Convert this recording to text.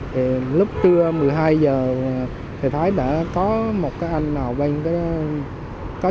thì lúc trưa một mươi hai giờ thì thấy đã có một cái anh nào bên cái